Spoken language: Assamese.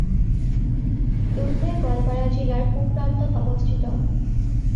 দুধনৈ গোৱালপাৰা জিলাৰ পূব প্ৰান্তত অৱস্থিত।